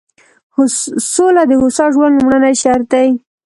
سوله د هوسا ژوند لومړنی شرط دی.